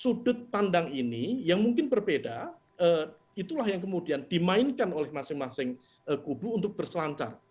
sudut pandang ini yang mungkin berbeda itulah yang kemudian dimainkan oleh masing masing kubu untuk berselancar